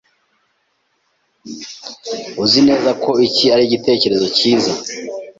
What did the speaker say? Uzi neza ko iki ari igitekerezo cyiza?